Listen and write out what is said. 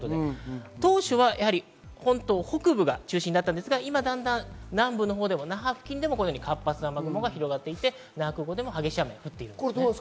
当初は本島北部が中心だったんですが、今だんだん南部のほう、那覇付近でも活発な雨雲が広がって那覇でも激しい雨が降っています。